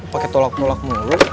pake tolak tolak mulu